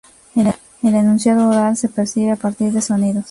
El enunciado oral se percibe a partir de sonidos.